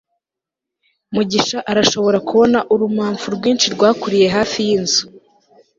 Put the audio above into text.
mugisha arashobora kubona urumamfu rwinshi rwakuriye hafi yinzu